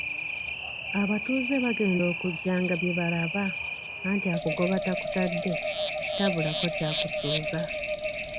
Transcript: Abatuuze bagenda okujja nga bye balaba, anti akugoba takutadde tabulako ky'akusuuza.